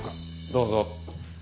どうぞ。